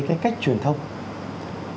cái cách chúng ta đang thấy